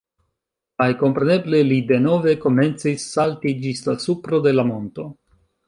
Kaj kompreneble, li denove komencis salti ĝis la supro de la monto.